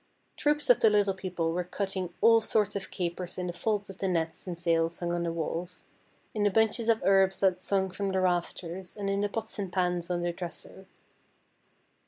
Troops of the Little People were cutting all sorts of capers in the folds of the nets and sails hung on the walls, in the bunches of herbs that swung from the rafters, and in the pots and pans on the dresser.